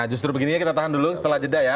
justru begininya kita tahan dulu setelah jeda ya